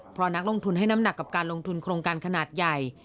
เพราะนักลงทุนให้น้ำหนักกับการลงทุนโครงการขนาดใหญ่